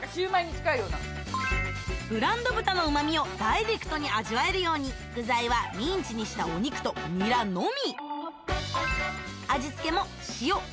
ブランド豚のうま味をダイレクトに味わえるように具材はミンチにしたお肉とニラのみ！